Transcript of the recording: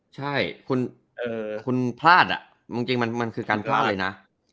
ใช่คุณพลาดจริงมันคือการพลาดเลยนะ